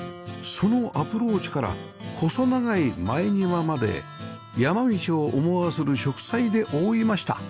そのアプローチから細長い前庭まで山道を思わせる植栽で覆いました